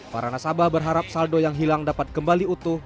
para nasabah berharap saldo yang hilang dapat kembali utuh